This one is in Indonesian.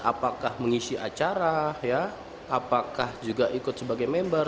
apakah mengisi acara apakah juga ikut sebagai member